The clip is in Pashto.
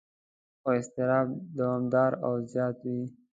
خو اضطراب دوامداره او زیات وي.